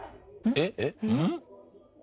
えっ？